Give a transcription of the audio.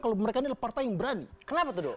kalau mereka adalah partai yang berani kenapa tuh do